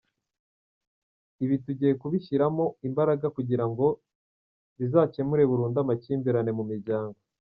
Ibi tugiye kubishyiramo imbaraga kugira ngo bizakemure burundu amakimbirane mu miryango”.